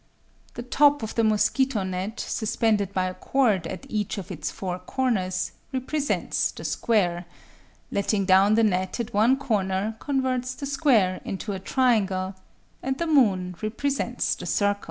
_" The top of the mosquito net, suspended by cords at each of its four corners, represents the square;—letting down the net at one corner converts the square into a triangle;—and the moon represents the circle.